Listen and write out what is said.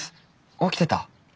起きてた？